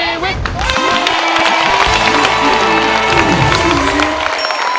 ขอต้อนรับคุณผู้ชมนะครับ